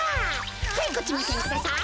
はいこっちめせんください。